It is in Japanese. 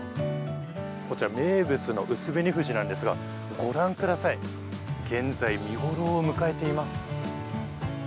こちら名物のうす紅藤なんですが御覧ください、現在見頃を迎えています。